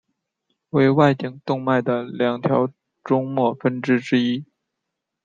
为外颈动脉的两条终末分支之一。